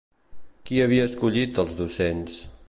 Qui havia escollit els docents?